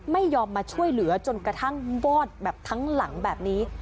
ไม่ยอมมาช่วยเหลือจนกระทั่งวอดแบบทั้งหลังแบบนี้